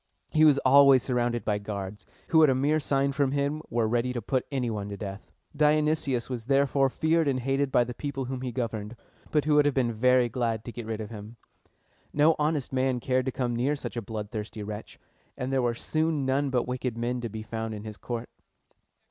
He was always surrounded by guards, who at a mere sign from him were ready to put any one to death. Dionysius was therefore feared and hated by the people whom he governed, but who would have been very glad to get rid of him. No honest man cared to come near such a bloodthirsty wretch, and there were soon none but wicked men to be found in his court.